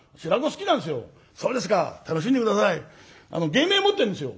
「芸名持ってるんですよ」。